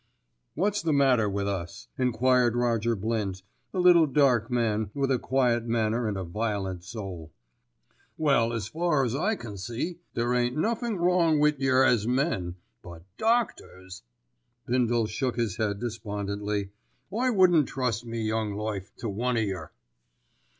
"What's the matter with us?" enquired Roger Blint, a little dark man with a quiet manner and a violent soul. "Well, as far as I can see, there ain't nothink wrong wi yer as men; but doctors—!" Bindle shook his head despondently. "I wouldn't trust my young life to one of yer."